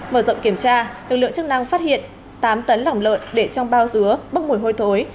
mở rộng kiểm tra lực lượng chức năng phát hiện tám tấn lỏng lợn để trong bao dứa bốc mùi hôi thối